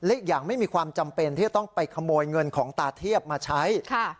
อีกอย่างไม่มีความจำเป็นที่จะต้องไปขโมยเงินของตาเทียบมาใช้